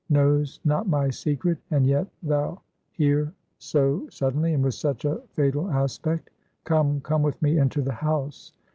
Knows not my secret, and yet thou here so suddenly, and with such a fatal aspect? Come, come with me into the house.